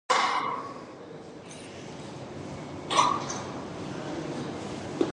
The party's historical archives is today hosted by the Swiss Social Archives.